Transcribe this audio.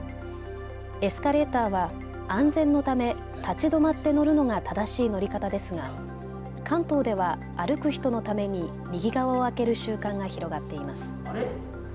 エスカレーターは安全のため立ち止まって乗るのが正しい乗り方ですが関東では歩く人のために右側を空ける習慣が広がっています。